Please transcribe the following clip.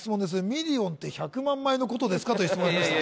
「ミリオンって１００万枚のことですか」という質問ありました